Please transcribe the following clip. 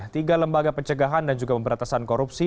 tiga lembaga pencegahan dan juga pemberantasan korupsi